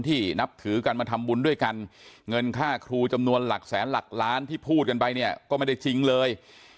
นับถือกันมาทำบุญด้วยกันเงินค่าครูจำนวนหลักแสนหลักล้านที่พูดกันไปเนี่ยก็ไม่ได้จริงเลย